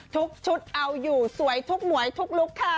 ชุดเอาอยู่สวยทุกหมวยทุกลุคค่ะ